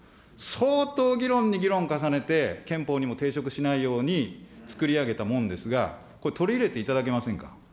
相当、議論に議論を重ねて憲法にも抵触しないようにつくり上げたもんですが、これ、取り入れていただけませんか。